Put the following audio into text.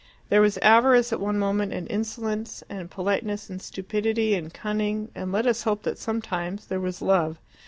There was avarice at one moment, and insolence, and politeness, and stupidity, and cunning and let us hope that sometimes there was love.